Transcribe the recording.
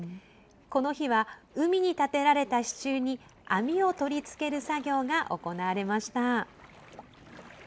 この日は、海に立てられた支柱に網を取り付ける作業が行われました。